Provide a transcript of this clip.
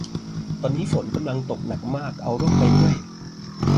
ตอนนี้ฝนกำลังตกหนักมาก เอาร่มไปด้วย